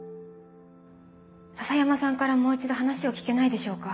篠山さんからもう一度話を聞けないでしょうか？